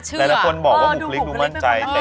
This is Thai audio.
ใช่แข็งไว้น่าเชื่อ